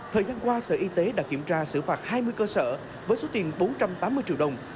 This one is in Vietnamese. thời gian qua sở y tế đã kiểm tra xử phạt hai mươi cơ sở với số tiền bốn trăm tám mươi triệu đồng